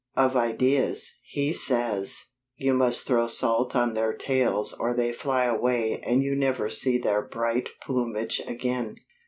Of ideas, he says, you must throw salt on their tails or they fly away and you never see their bright plumage again.